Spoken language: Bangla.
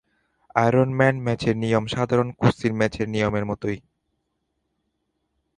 আয়রন ম্যান ম্যাচের নিয়ম সাধারণ কুস্তি ম্যাচের নিয়মের মতোই।